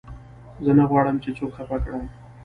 زه نه غواړم، چي څوک خفه کړم.